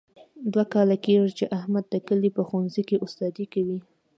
دوه کاله کېږي، چې احمد د کلي په ښوونځۍ کې استادي کوي.